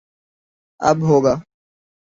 اب ہو گا